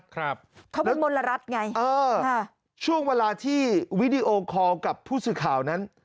เขาเป็นมลรัฐไงเออค่ะช่วงเวลาที่วิดีโอคอลกับผู้สื่อข่าวนั้น